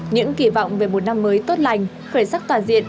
những kỳ vọng về một năm mới tốt lành khởi sắc toàn diện